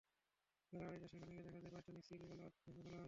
বেলা আড়াইটায় সেখানে গিয়ে দেখা যায়, প্রতিষ্ঠানটির সিলগালা ভেঙে ফেলা হয়েছে।